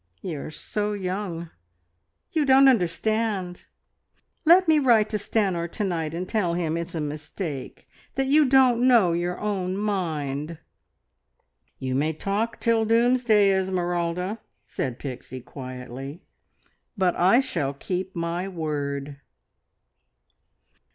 You are so young. You don't understand. Let me write to Stanor to night and tell him it's a mistake, that you didn't know your own mind!" "You may talk till doomsday, Esmeralda," said Pixie quietly, "but I shall keep my word!"